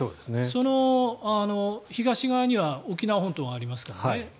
その東側には沖縄本島がありますからね。